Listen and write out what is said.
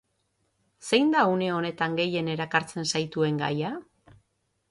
Zein da une honetan gehien erakartzen zaituen gaia?